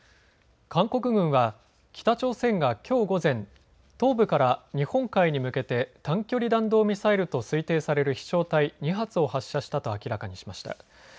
韓国軍は北朝鮮がきょう午前、東部から日本海に向けて短距離弾道ミサイルと推定される飛しょう体２発を発射したと明らかにしました。